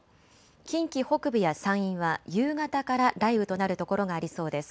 近畿北部や山陰は夕方から雷雨となる所がありそうです。